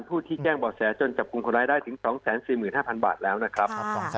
ผู้ที่แจ้งบ่อแสจนจับกลุ่มคนร้ายได้ถึง๒๔๕๐๐บาทแล้วนะครับ